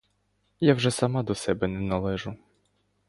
Я вже сама до себе не належу.